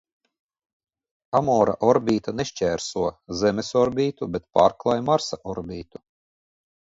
Amora orbīta nešķērso Zemes orbītu, bet pārklāj Marsa orbītu.